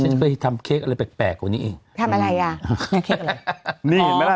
ใช่ฉันจะไปทำเค้กอะไรแปลกแปลกกว่านี้เองทำอะไรอ่ะนี่เห็นไหมล่ะ